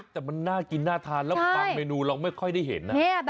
แต่มันน่ากินน่าทานแล้วบางเมนูเราไม่ค่อยได้เห็น